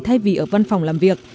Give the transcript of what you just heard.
thay vì ở văn phòng làm việc